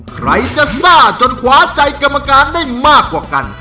ใครจะซ่าจนขวาใจกรรมการได้มากกว่ากัน